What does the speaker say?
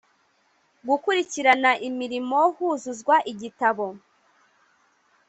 gukurikirana imirimo huzuzwa igitabo